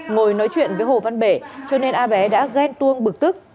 ngồi nói chuyện với hồ văn bể cho nên a bé đã ghen tuông bực tức